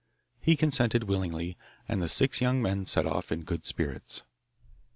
He consented willingly, and the six young men set off in good spirits.